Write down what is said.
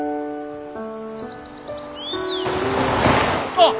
あっ！